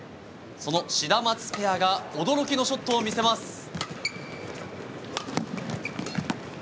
そのシダマツペアが驚きのショットを見せます。